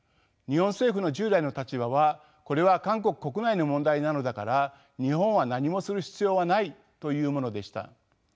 日本政府の従来の立場はこれは韓国国内の問題なのだから日本は何もする必要はないというものでした。